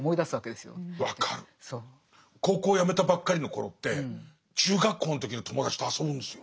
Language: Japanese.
高校をやめたばっかりの頃って中学校の時の友達と遊ぶんですよ。